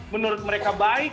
menurut mereka baik